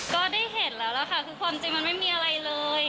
ก็ได้เห็นแล้วล่ะค่ะคือความจริงมันไม่มีอะไรเลย